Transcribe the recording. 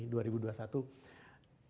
masih jauh dari berkurang